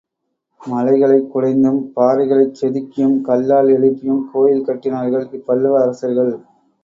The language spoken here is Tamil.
மலைகளைக் குடைந்தும், பாறைகளைச் செதுக்கியும் கல்லால் எழுப்பியும் கோயில் கட்டினார்கள் இப்பல்லவ அரசர்கள்.